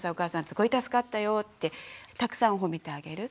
すごい助かったよってたくさん褒めてあげる。